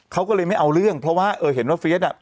เขาก็เลยไม่เอาเรื่องเพราะว่าเห็นว่าเฟียสอ่ะ